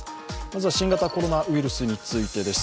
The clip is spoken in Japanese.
まずは新型コロナウイルスについてです。